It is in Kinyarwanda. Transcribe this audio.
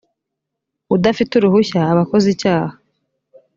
udafite uruhushya aba akoze icyaha .